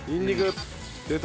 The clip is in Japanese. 出た。